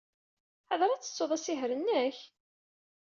Ḥader ad tettud asihaṛ-nnek?